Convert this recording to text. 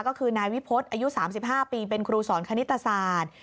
ก็คือนายวิพฤษอายุ๓๕ปีเป็นครูสอนคณิตศาสตร์